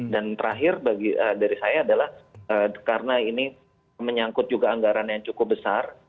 dan terakhir dari saya adalah karena ini menyangkut juga anggaran yang cukup besar